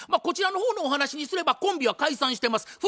こちらの方のお話にすればコンビは解散してます。